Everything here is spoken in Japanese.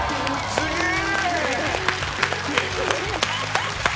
すげえ！